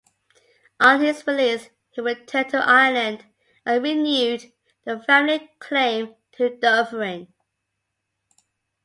On his release he returned to Ireland and renewed the family claim to Dufferin.